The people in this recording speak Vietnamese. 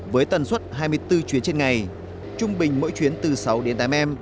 với tần suất hai mươi bốn chuyến trên ngày trung bình mỗi chuyến từ sáu đến tám em